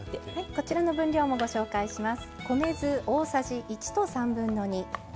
こちらの分量もご紹介します。